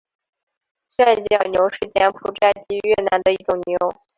旋角牛是柬埔寨及越南的一种牛。